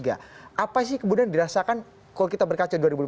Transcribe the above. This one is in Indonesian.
apa sih kemudian dirasakan kalau kita berkaca dua ribu lima belas